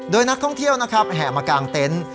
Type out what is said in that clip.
โดยนักท่องเที่ยวนะครับแห่มากางเต็นต์